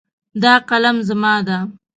دا قلم زما ده